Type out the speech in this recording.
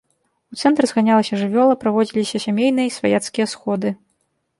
У цэнтр зганялася жывёла, праводзіліся сямейныя і сваяцкія сходы.